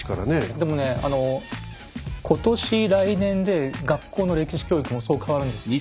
でもね今年来年で学校の歴史教育もそう変わるんですよ。